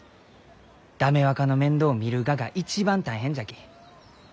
駄目若の面倒を見るがが一番大変じゃき。